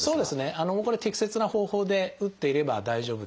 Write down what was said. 適切な方法で打っていれば大丈夫です。